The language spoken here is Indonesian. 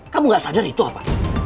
kamu gak sadar itu apa